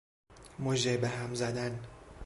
مژه بهم زدن